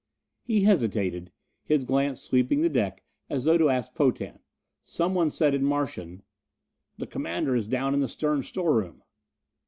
He hesitated, his glance sweeping the deck as though to ask Potan. Someone said in Martian: "The commander is down in the stern storeroom."